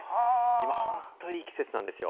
今、本当、いい季節なんですよ。